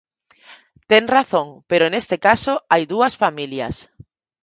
Ten razón, pero neste caso hai dúas familias.